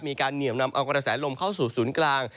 มีการเหนียมนำออกระแสลมเข้าสู่ศูนย์กลาง